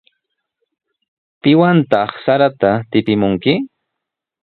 ¿Piwantaq sarata tipimunki?